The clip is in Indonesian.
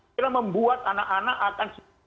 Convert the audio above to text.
kita membuat anak anak akan